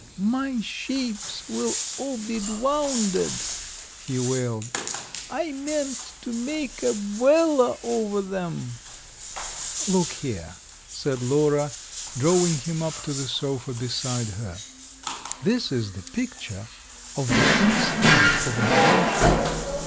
"My sheeps will all be dwounded," he wailed! "I meant to make a 'bwella over them!" "Look here," said Lora, drawing him up to the sofa beside her. "This is the picture of the inside of an ant hill.